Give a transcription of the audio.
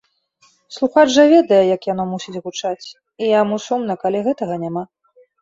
Слухач жа ведае, як яно мусіць гучаць, і яму сумна, калі гэтага няма.